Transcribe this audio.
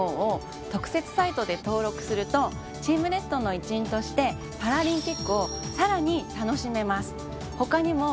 するとチームレッドの一員としてパラリンピックをさらに楽しめます。